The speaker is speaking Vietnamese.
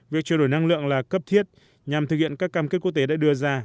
việc chuyển đổi năng lượng là cấp thiết nhằm thực hiện các cam kết quốc tế đã đưa ra